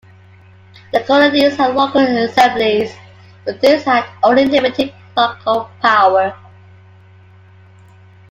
The colonies had local assemblies but these had only limited local power.